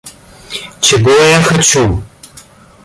Чего я хочу?